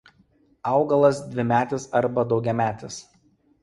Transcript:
Augalas dvimetis arba daugiametis.